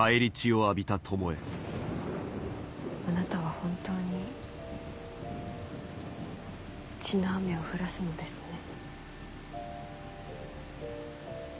雷鳴あなたは本当に血の雨を降らすのですね